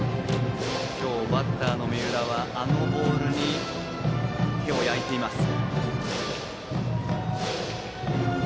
今日、バッターの三浦はあのボールに手を焼いています。